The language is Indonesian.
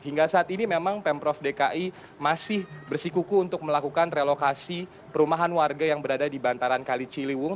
hingga saat ini memang pemprov dki masih bersikuku untuk melakukan relokasi perumahan warga yang berada di bantaran kali ciliwung